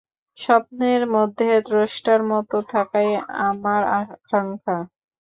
স্বপ্নের মধ্যে দ্রষ্টার মত থাকাই আমার আকাঙ্ক্ষা।